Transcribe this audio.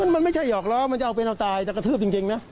มันไม่ใช่หอกล้อมันจะเอาเป็นเอาตายจะกระทืบจริงนะ